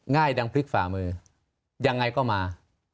ดังพลิกฝ่ามือยังไงก็มา